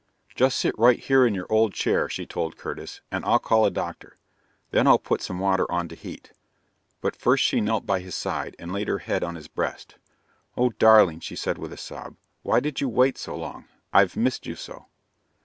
"Just sit right here in your old chair," she told Curtis, "and I'll call a doctor. Then I'll put some water on to heat." But first she knelt by his side and laid her head on his breast. "Oh, darling," she said with a sob, "Why did you wait so long? I've missed you so."